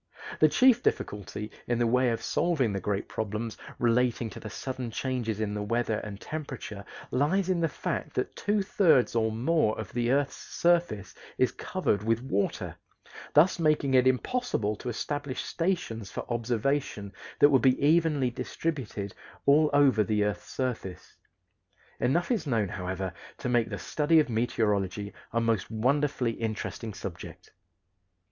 The chief difficulty in the way of solving the great problems relating to the sudden changes in the weather and temperature lies in the fact that two thirds or more of the earth's surface is covered with water; thus making it impossible to establish stations for observation that would be evenly distributed all over the earth's surface. Enough is known, however, to make the study of meteorology a most wonderfully interesting subject.